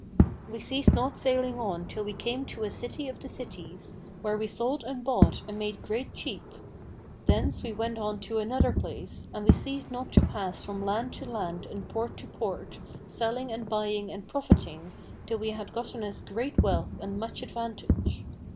We ceased not sailing on till we came to a city of the cities, where we sold and bought and made great cheape. Thence we went on to another place, and we ceased not to pass from land to land and port to port, selling and buying and profiting, till we had gotten us great wealth and much advantage.